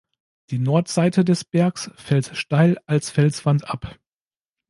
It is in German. Die Nordseite des Bergs fällt steil als Felswand ab.